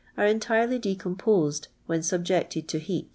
ire entirely dccjaiposed wiien suiijected tj he.